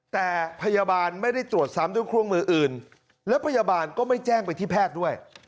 แต่พยาบาลไม่ได้ตรวจซ้ำด้วยเครื่องมืออื่นและพยาบาลก็ไม่แจ้งไปที่แพทย์ด้วย